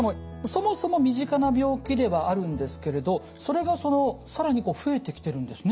そもそも身近な病気ではあるんですけれどそれが更に増えてきてるんですね。